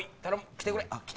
きてくれ！